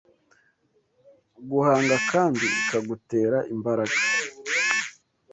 guhanga kandi ikagutera imbaraga